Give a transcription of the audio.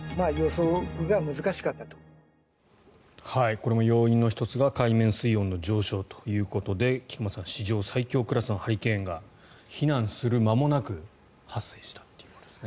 これも要因の１つが海面水温の上昇ということで菊間さん史上最強クラスのハリケーンが避難する間もなく発生したということですね。